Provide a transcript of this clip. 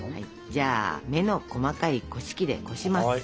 じゃあ目の細かいこし器でこします。